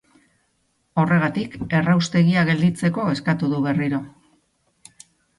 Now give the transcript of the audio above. Horregatik, erraustegia gelditzeko eskatu du berriro.